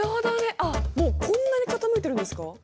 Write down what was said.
あっもうこんなに傾いてるんですか？